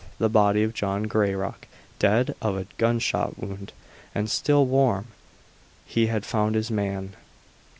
the body of John Grayrock, dead of a gunshot wound, and still warm! He had found his man.